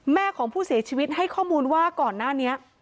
แม่ของผู้เสียชีวิตให้ข้อมูลว่าก่อนหน้านี้